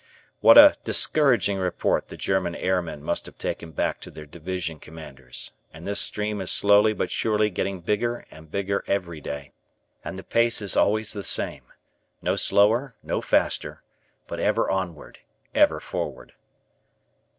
What a discouraging report the German air men must have taken back to their Division Commanders, and this stream is slowly but surely getting bigger and bigger every day, and the pace is always the same. No slower, no faster, but ever onward, ever forward.